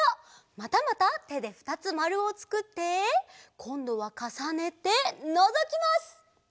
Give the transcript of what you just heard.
またまたてでふたつまるをつくってこんどはかさねてのぞきます！